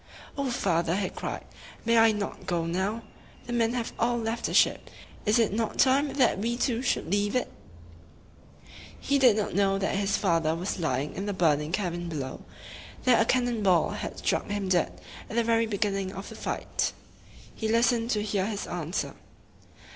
"O father!" he cried, "may I not go now? The men have all left the ship. Is it not time that we too should leave it?" He did not know that his father was lying in the burning cabin below, that a cannon ball had struck him dead at the very be gin ning of the fight. He listened to hear his answer.